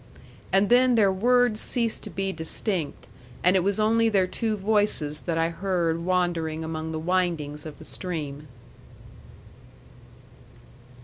And then their words ceased to be distinct, and it was only their two voices that I heard wandering among the windings of the stream.